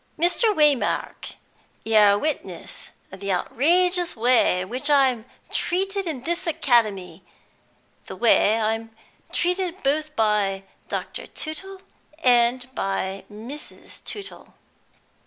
Mr. Waymark, you're a witness of the outrageous way in which I'm treated in this academy the way in which I'm treated both by Dr. Tootle and by Mrs. Tootle.